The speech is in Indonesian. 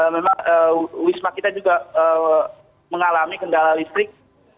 memang wisma kita juga mengalami kendala listrik